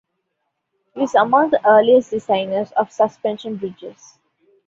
He was among the earliest designers of suspension bridges.